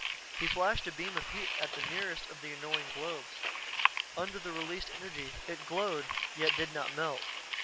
He flashed a beam of heat at the nearest of the annoying globes. Under the released energy it glowed, yet did not melt.